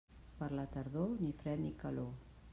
Per la tardor, ni fred ni calor.